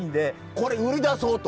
これ売り出そうと。